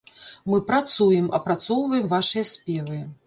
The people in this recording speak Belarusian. Мы працуем, апрацоўваем вашыя спевы.